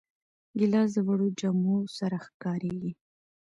ګیلاس د وړو جامو سره ښکارېږي.